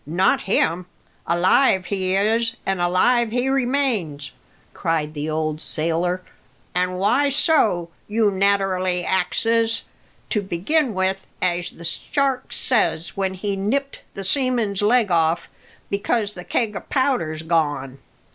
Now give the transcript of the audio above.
Not him! Alive he is, and alive he remains," cried the old sailor. "An' why so? you naterally axes. To begin with, as the shark says when he nipped the seaman's leg off, because the keg o' powder's gone.